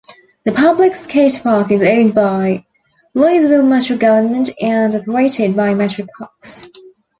The public skatepark is owned by Louisville Metro Government and operated by Metro Parks.